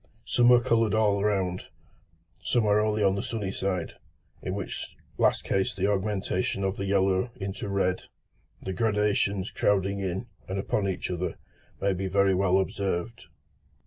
Some are coloured all round, some only on the sunny side, in which last case the augmentation of the yellow into red, the gradations crowding in and upon each other, may be very well observed.